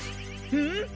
うん！？